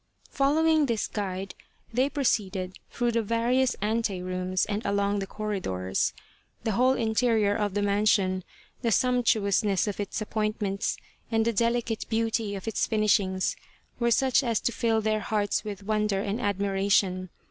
Following this guide they proceeded through the various ante rooms and along the corridors. The whole interior of the mansion, the sumptuousness of its appointments and the delicate beauty of its finish ings, were such as to fill their hearts with wonder and admiration.